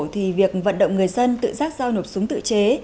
thì việc vận động người dân tự giác giao nộp súng tự chế